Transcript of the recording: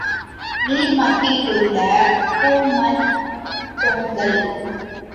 நீர்மத்திலுள்ள கூழ்மத் தொங்கல்.